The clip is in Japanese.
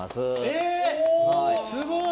えっすごい！